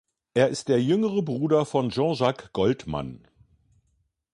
Er ist der jüngere Bruder von Jean-Jacques Goldman.